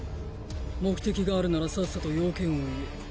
目的があるならさっさと用件を言え。